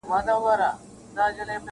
نور د عصمت کوڅو ته مه وروله-